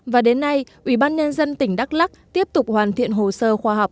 và đến nay ủy ban nhân dân tỉnh đắk lắc tiếp tục hoàn thiện hồ sơ khoa học